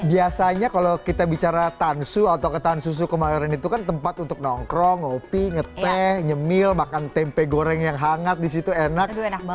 biasanya kalau kita bicara tansu atau ketan susu kemayoran itu kan tempat untuk nongkrong ngopi ngeteh nyemil makan tempe goreng yang hangat disitu enak